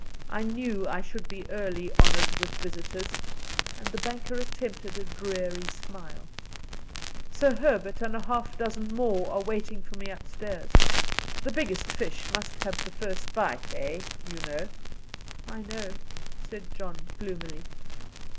I knew I should be early honoured with visitors;" and the banker attempted a dreary smile. "Sir Herbert and half a dozen more are waiting for me up stairs. The biggest fish must have the first bite eh, you know?" "I know," said John, gloomily.